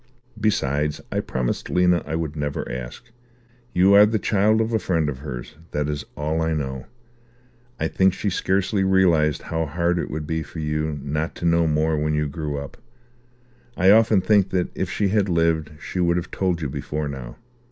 Besides, I promised Lena I would never ask. You are the child of a friend of hers. That is all I know. I think she scarcely realized how hard it would be for you not to know more when you grew up. I often think that if she had lived she would have told you before now."